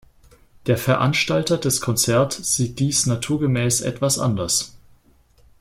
Der Veranstalter des Konzerts sieht dies naturgemäß etwas anders.